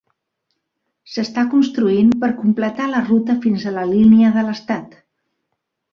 S'està construint per completar la ruta fins a la línia de l'estat.